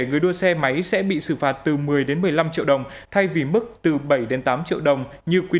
người đua xe máy sẽ bị xử phạt từ một mươi đến một mươi năm triệu đồng thay vì mức từ bảy đến tám triệu đồng như quy